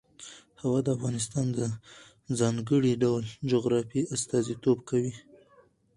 هوا د افغانستان د ځانګړي ډول جغرافیه استازیتوب کوي.